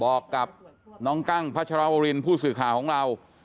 บอกกับน้องกั้งพัชรวรินผู้สื่อข่าวของเรา